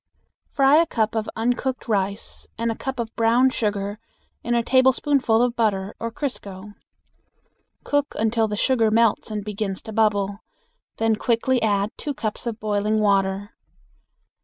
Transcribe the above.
Fry a cup of uncooked rice and a cup of brown sugar in a tablespoonful of butter or crisco. Cook until the sugar melts and begins to bubble; then quickly add two cups of boiling water.